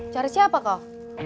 cari siapa kau